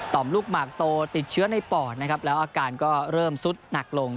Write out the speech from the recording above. มลูกหมากโตติดเชื้อในปอดนะครับแล้วอาการก็เริ่มซุดหนักลง